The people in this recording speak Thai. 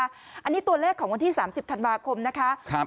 อันนี้ตัวเลขของวันที่๓๐ธันวาคมนะคะ